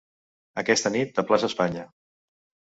Aquesta nit a Plaça Espanya.